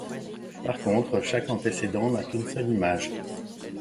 Par contre, chaque antécédent n’a qu’une seule image.